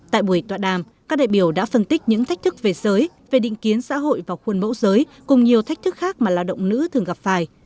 tại buổi tọa đàm các đại biểu đã phân tích những thách thức về giới về định kiến xã hội và khuôn mẫu giới cùng nhiều thách thức khác mà lao động nữ thường gặp phải